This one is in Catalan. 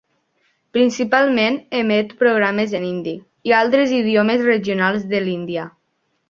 Principalment emet programes en hindi i altres idiomes regionals de l'Índia.